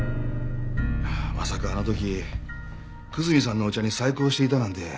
いやまさかあの時久住さんのお茶に細工をしていたなんて。